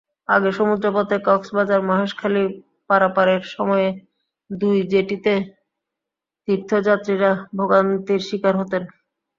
আগে সমুদ্রপথে কক্সবাজার-মহেশখালী পারাপারের সময়ে দুই জেটিতে তীর্থযাত্রীরা ভোগান্তির শিকার হতেন।